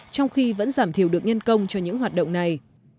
trong khi vẫn giảm thiểu được nhân công cho những hoạt động này